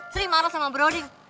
sri marah sama broding